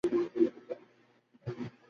অমিত বললে, নাম নিয়ে পাত্রটির দাম নয়।